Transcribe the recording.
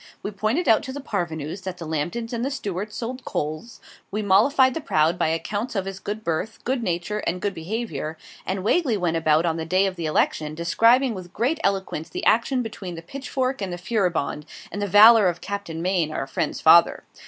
We pointed out to the parvenus that the Lambtons and the Stuarts sold coals: we mollified the proud by accounts of his good birth, good nature, and good behaviour; and Wagley went about on the day of election, describing with great eloquence, the action between the 'Pitchfork' and the 'Furibonde,' and the valour of Captain Maine, our friend's father.